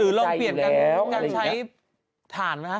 หรือลองเปลี่ยนการใช้